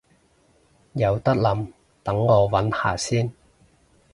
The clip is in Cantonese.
有得諗，等我搵下先